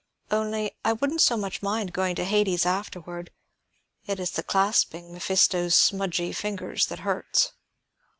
Only, I wouldn't so much mind going to Hades afterward; it is the clasping Mephisto's smudgy fingers that hurts."